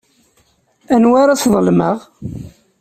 Anwa ara sḍelmeɣ?